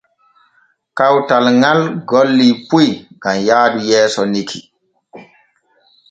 Kawtal ŋal golli puy gam yaadu yeeso nikki.